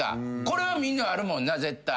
これはみんなあるもんな絶対。